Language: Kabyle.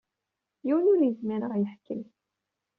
Yiwen ur yezmir ad aɣ-yeḥkem.